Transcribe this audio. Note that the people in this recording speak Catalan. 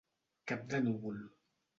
Cap de núvol.